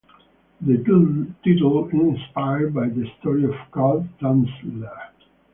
The title is inspired by the story of Carl Tanzler.